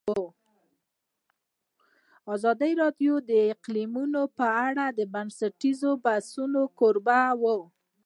ازادي راډیو د اقلیم په اړه د پرانیستو بحثونو کوربه وه.